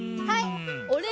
はい。